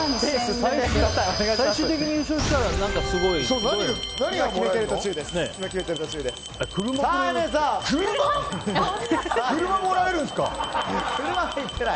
最終的に優勝したら何かすごい。